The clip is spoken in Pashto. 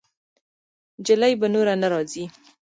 جلۍ به نوره نه راځي.